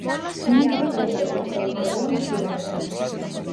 მუნიციპალიტეტის ტერიტორია მთიანია.